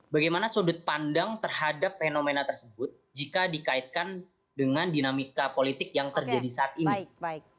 bagaimana sudut pandang terhadap fenomena tersebut jika dikaitkan dengan dinamika politik yang terjadi saat ini